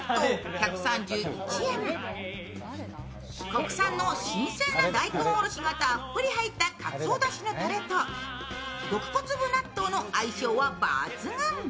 国産の新鮮な大根おろしがたっぷり入ったかつおだしのタレと極小粒納豆の相性は抜群。